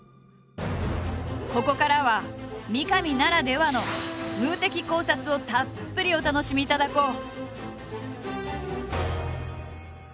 ここからは三上ならではの「ムー」的考察をたっぷりお楽しみいただこう。